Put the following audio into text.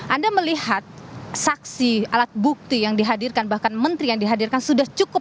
anda melihat saksi alat bukti yang dihadirkan bahkan menteri yang dihadirkan sudah cukup